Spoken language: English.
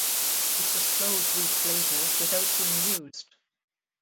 It was closed weeks later without being used.